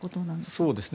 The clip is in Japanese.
そうですね。